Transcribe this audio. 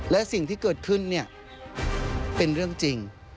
และสิ่งที่เกิดขึ้นเนี่ยเป็นเรื่องจริง